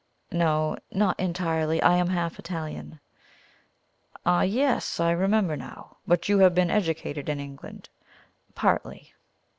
"No, not entirely. I am half Italian." "Ah, yes! I remember now. But you have been educated in England?" "Partly."